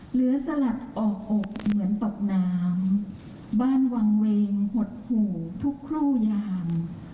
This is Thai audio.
สลัดออกอกเหมือนตกน้ำบ้านวางเวงหดหู่ทุกครู่ยาม